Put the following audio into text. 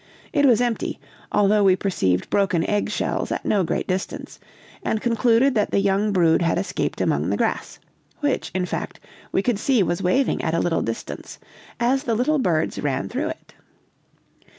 It was empty, although we perceived broken egg shells at no great distance, and concluded that the young brood had escaped among the grass, which, in fact, we could see was waving at a little distance, as the little birds ran through it.